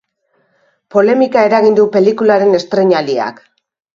Polemika eragin du pelikularen estreinaldiak.